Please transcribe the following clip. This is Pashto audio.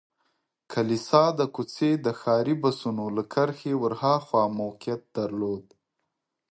کلیسا د کوڅې د ښاري بسونو له کرښې ور هاخوا موقعیت درلود.